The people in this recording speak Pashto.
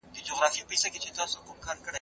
ذهني فشار د غلط فهمۍ لامل کېږي.